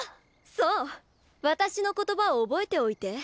そう私の言葉を覚えておいて。